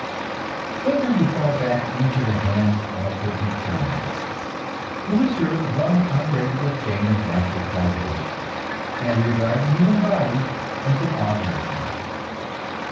So then we fall back into the hands of the "determinists," who assert one unbreakable chain of natural causation, and regard the human body as an automaton.